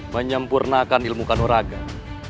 menyempurnakan ilmu kanuragan